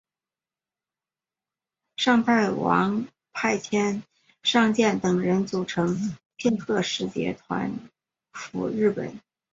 尚泰王派遣尚健等人组成庆贺使节团赴日本。